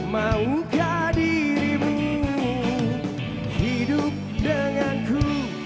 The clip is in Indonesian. maukah dirimu hidup denganku